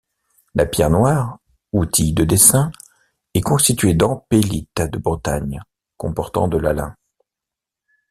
La pierre noire, outil de dessin, est constitué d'ampélite de Bretagne, comportant de l'alun.